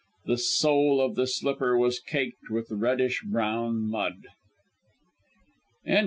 The sole of the slipper was caked with reddish brown mud.